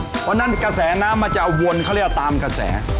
เพราะฉะนั้นกระแสน้ำมันจะเอาวนเขาเรียกว่าตามกระแส